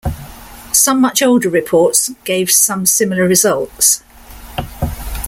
Some much older reports gave some similar results.